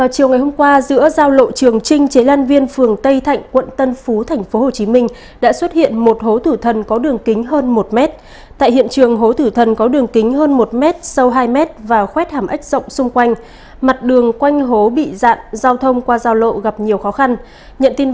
các bạn hãy đăng ký kênh để ủng hộ kênh của chúng mình nhé